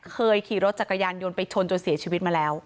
ขี่รถจักรยานยนต์ไปชนจนเสียชีวิตมาแล้ว